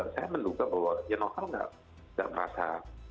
juga bahwa ya novel enggak merasa